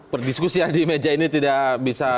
perdiskusinya di meja ini tidak bisa